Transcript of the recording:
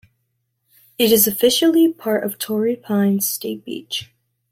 It is officially part of Torrey Pines State Beach.